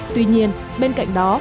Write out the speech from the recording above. tuy nhiên bên cạnh đó